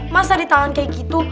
masa di tangan kayak gitu